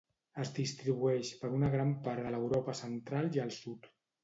Es distribueix per una gran part de l'Europa central i el sud.